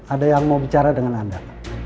ada yang mau bicara dengan anda